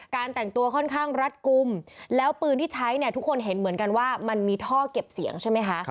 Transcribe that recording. แต่งตัวค่อนข้างรัดกลุ่มแล้วปืนที่ใช้เนี่ยทุกคนเห็นเหมือนกันว่ามันมีท่อเก็บเสียงใช่ไหมคะ